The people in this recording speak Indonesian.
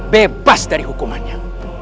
bebas dari hukumannya